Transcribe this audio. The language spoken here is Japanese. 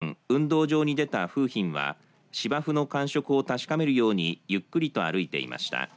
きょう午前運動場に出た楓浜は芝生の感触を確かめるようにゆっくりと歩いていました。